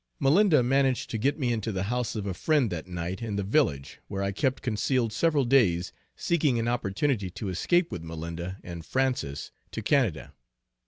Malinda managed to get me into the house of a friend that night, in the village, where I kept concealed several days seeking an opportunity to escape with Malinda and Frances to Canada.